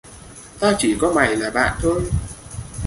Tao chỉ có mày là bạn thôi